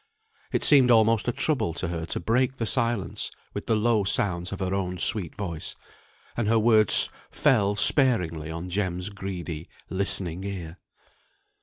It seemed almost a trouble to her to break the silence with the low sounds of her own sweet voice, and her words fell sparingly on Jem's greedy, listening ear.